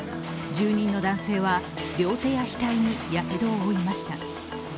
住人の男性は両手や額にやけどを負いました。